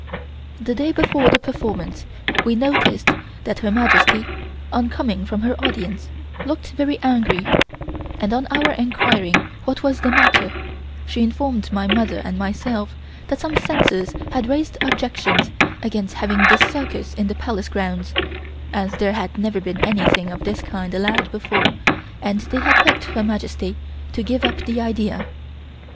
The day before the performance, we noticed that Her Majesty, on coming from her audience, looked very angry, and on our enquiring what was the matter she informed my mother and myself that some censors had raised objections against having this circus in the Palace grounds, as there had never been anything of this kind allowed before and they had begged Her Majesty to give up the idea.